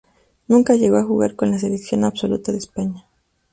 Nunca llegó a jugar con la selección absoluta de España.